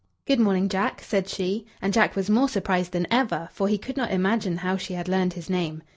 "Good morning, Jack," said she; and Jack was more surprised than ever, for he could not imagine how she had learned his name.